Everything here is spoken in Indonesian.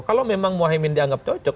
kalau memang mohaimin dianggap cocok